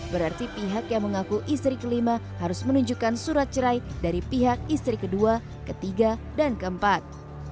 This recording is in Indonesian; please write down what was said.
berarti pihak yang mengaku istri kelima harus menunjukkan surat cerai dari pihak istri kedua ketiga dan keempat